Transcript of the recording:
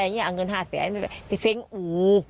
เอาเงินห้าแสนไปเซ้งอู๋